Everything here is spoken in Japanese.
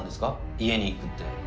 家に行くって。